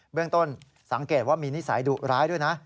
เรื่องต้นสังเกตว่ามีนิสัยดุร้ายด้วยนะ